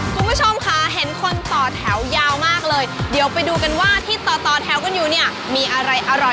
คุณผู้ชมค่ะเห็นคนต่อแถวยาวมากเลยเดี๋ยวไปดูกันว่าที่ต่อต่อแถวกันอยู่เนี่ยมีอะไรอร่อย